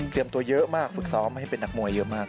ตัวเยอะมากฝึกซ้อมให้เป็นนักมวยเยอะมาก